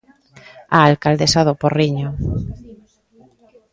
A alcaldesa do Porriño.